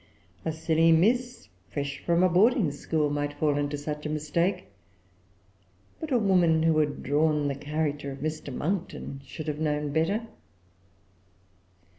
A silly Miss, fresh from a boarding school, might fall into such a mistake; but the woman who had drawn the character of Mr. Monckton should have known better.